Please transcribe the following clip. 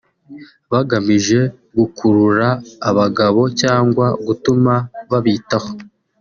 bagamije gukurura abagabo cyangwa gutuma babitaho